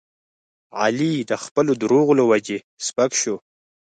علي د خپلو دروغو له وجې سپک شو.